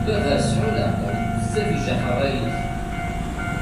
Baba sɛu leɛqel bezzaf ijaḥ ṛṛay-ik.